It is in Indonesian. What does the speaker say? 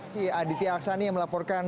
si aditya aksani yang melaporkan